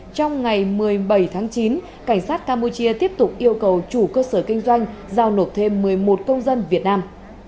trong ngày một mươi bảy tháng chín cảnh sát campuchia tiếp tục yêu cầu chủ cơ sở kinh doanh giao nộp thêm một mươi một công dân việt nam